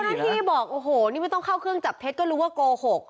ที่บอกโอ้โหนี่ไม่ต้องเข้าเครื่องจับเท็จก็รู้ว่าโกหก